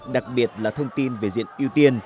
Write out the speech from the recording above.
đặc biệt là thông tin về diện ưu tiên